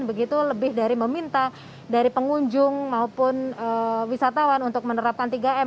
begitu lebih dari meminta dari pengunjung maupun wisatawan untuk menerapkan tiga m